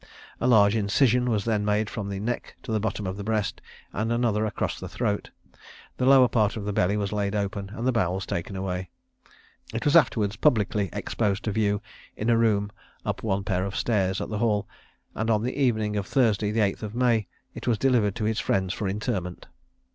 A large incision was then made from the neck to the bottom of the breast, and another across the throat; the lower part of the belly was laid open, and the bowels taken away. It was afterwards publicly exposed to view in a room up one pair of stairs at the Hall; and on the evening of Thursday, the 8th of May, it was delivered to his friends for interment.